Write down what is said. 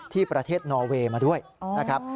ที่ประเทศนอเวย์มาด้วยนะครับ